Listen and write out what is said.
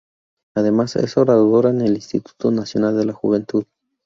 Además, es oradora en el Instituto Nacional de la Juventud.